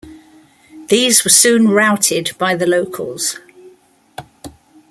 These were soon routed by the locals.